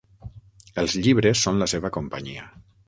Els llibres són la seva companyia.